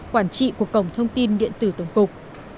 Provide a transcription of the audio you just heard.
quản trị của cổng thông tin điện tử tổng cục